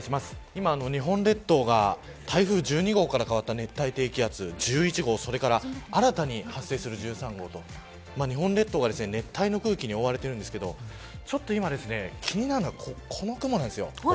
今、日本列島が台風１２号から変わった熱帯低気圧１１号、それから新たに発生する１３号と日本列島が熱帯の空気に覆われてるんですけどちょっと今気になるのがこの雲なんです。